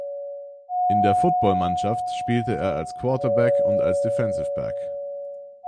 In der Footballmannschaft spielte er als Quarterback und als Defensive Back.